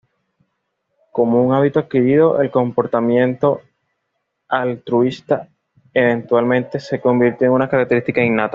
Como un hábito adquirido, el comportamiento altruista eventualmente se convirtió en una característica innata.